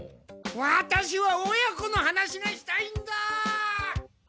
ワタシは親子の話がしたいんだ！